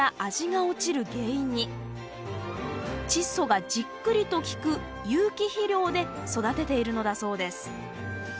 チッ素がじっくりと効く有機肥料で育てているのだそうです。